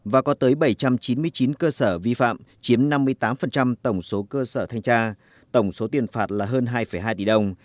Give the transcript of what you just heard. và có tới bảy trăm chín mươi chín cơ sở vi phạm chiếm năm mươi tám tổng số cơ sở thanh tra tổng số tiền phạt là hơn hai hai tỷ đồng